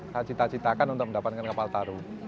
saya cita citakan untuk mendapatkan kalpataru